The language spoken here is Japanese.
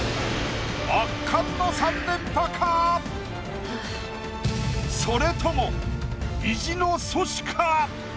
圧巻の３連覇か⁉それとも意地の阻止か⁉